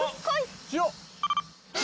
塩！